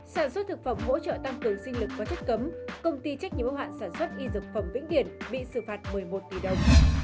sản xuất thực phẩm hỗ trợ tăng cường sinh lực và chất cấm công ty trách nhiệm hoạn sản xuất y dược phẩm vĩnh điển bị xử phạt một mươi một tỷ đồng